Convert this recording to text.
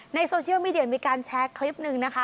โซเชียลมีเดียมีการแชร์คลิปหนึ่งนะคะ